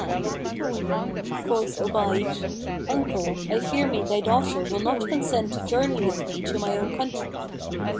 "[FN#473] Quoth Obayd, "Uncle, I fear me thy daughter will not consent to journey with me to my own country."